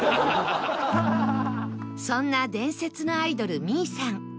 そんな伝説のアイドル未唯さん